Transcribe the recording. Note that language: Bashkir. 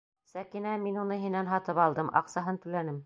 Сәкинә, мин уны һинән һатып алдым, аҡсаһын түләнем!